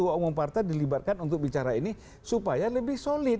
ketua umum partai dilibatkan untuk bicara ini supaya lebih solid